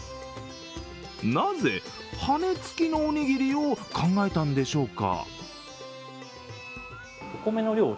なぜ羽根つきのおにぎりを考えたんでしょうか。